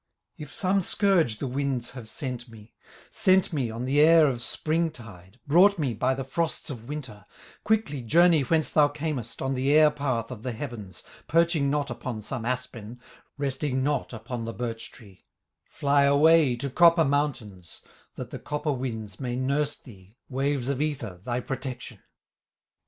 "If some scourge the winds have sent me, Sent me on the air of spring tide, Brought me by the frosts of winter, Quickly journey whence thou camest, On the air path of the heavens, Perching not upon some aspen, Resting not upon the birch tree; Fly away to copper mountains, That the copper winds may nurse thee, Waves of ether, thy protection.